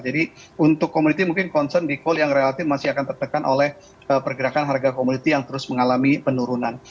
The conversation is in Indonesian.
jadi untuk komoditi mungkin concern di call yang relatif masih akan tertekan oleh pergerakan harga komoditi yang terus mengalami penurunan